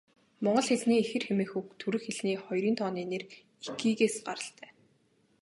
Монгол хэлний ихэр хэмээх үг түрэг хэлний хоёрын тооны нэр 'ики'-ээс гаралтай.